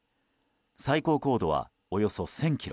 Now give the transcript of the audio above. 最高高度はおよそ１０００ｋｍ。